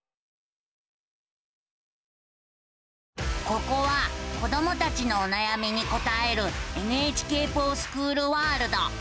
ここは子どもたちのおなやみに答える「ＮＨＫｆｏｒＳｃｈｏｏｌワールド」。